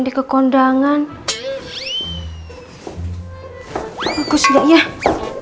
dari sejenis pasukanmu di nadathis negara